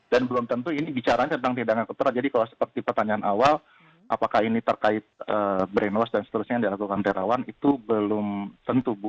dan belum tentu ini bicaranya tentang tindakan kedokteran jadi kalau seperti pertanyaan awal apakah ini terkait brain loss dan seterusnya yang dilakukan tarawan itu belum tentu